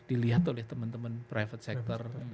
dilihat oleh temen temen private sector